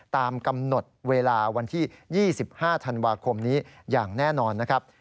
ตามกำหนดเวลาวันที่๒๕ธันวาคมนี้อย่างแน่นอนนะครับ